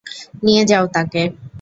নিয়ে যাও তাকে।